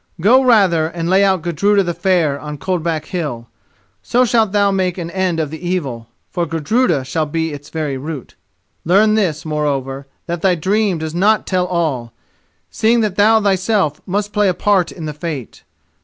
"Go rather and lay out Gudruda the Fair on Coldback Hill; so shalt thou make an end of the evil, for Gudruda shall be its very root. Learn this, moreover: that thy dream does not tell all, seeing that thou thyself must play a part in the fate.